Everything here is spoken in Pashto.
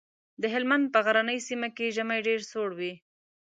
د هلمند په غرنۍ سيمه کې ژمی ډېر سوړ وي.